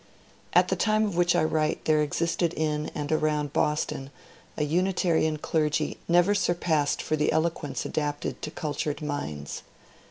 At the time of which I write there existed in and around Boston a Unitarian clergy never surpassed for the eloquence adapted to cultured minds.